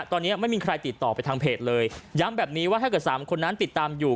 ตอนนี้ไม่มีใครติดต่อไปทางเพจเลยย้ำแบบนี้ว่าถ้าเกิดสามคนนั้นติดตามอยู่